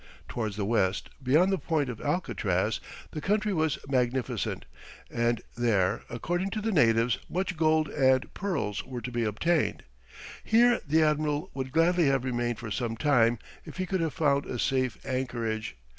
Towards the west, beyond the point of Alcatraz, the country was magnificent, and there according to the natives, much gold and pearls were to be obtained. Here the admiral would gladly have remained for some time if he could have found a safe anchorage.